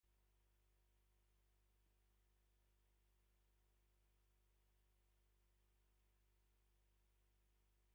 Jugador fuerte e implacable, consiguió brillar en dos selecciones nacionales diferentes.